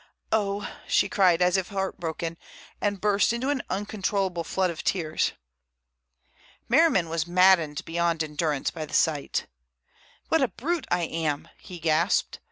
"Oh!" she cried as if heartbroken, and burst into an uncontrollable flood of tears. Merriman was maddened beyond endurance by the sight "What a brute I am!" he gasped.